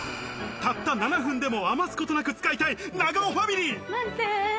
たった７分でも、あますことなく使いたいな長尾ファミリー。